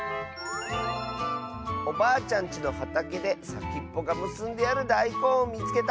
「おばあちゃんちのはたけでさきっぽがむすんであるだいこんをみつけた！」。